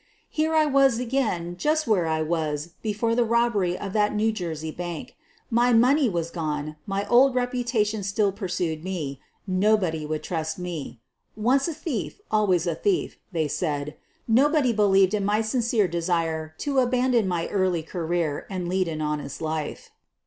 Here I was again just where I was before the robbery of that New Jersey bank. My money was gone, my old reputation still pursued me, nobody 36 SOPHIE LYONS would trust me; "once a thief, always a thief," they said; nobody believed in my sincere? desire to abandon my early career and lead an honest life.